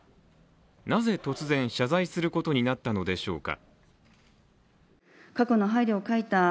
なぜ突然、謝罪することになったのでしょうか。